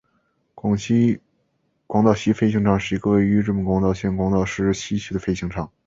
广岛西飞行场是一个位于日本广岛县广岛市西区的飞行场。